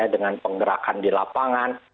dengan penggerakan di lapangan